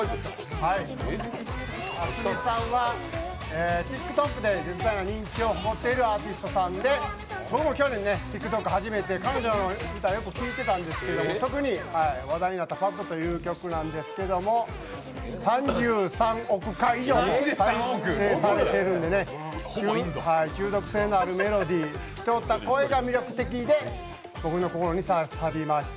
ａｓｍｉさんはＴｉｋＴｏｋで絶大な人気を誇っているアーティストさんで僕も去年、ＴｉｋＴｏｋ始めて、彼女の歌をよく聴いていたんですが特に話題になった「ＰＡＫＵ」という曲なんですけれども、３３億回も再生されるんでね、中毒性のあるメロディー、透き通った声が魅力的で僕の心に刺さりました。